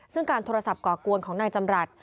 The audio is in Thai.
ซึ่งการโทรศัพท์ก่อกวนของนายจำรัฐ